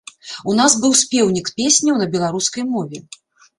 У нас быў спеўнік песняў на беларускай мове.